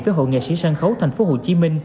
với hội nghệ sĩ sân khấu tp hcm